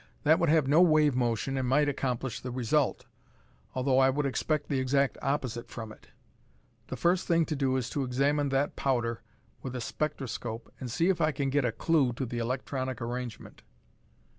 "That would have no wave motion and might accomplish the result, although I would expect the exact opposite from it. The first thing to do is to examine that powder with a spectroscope and see if I can get a clue to the electronic arrangement."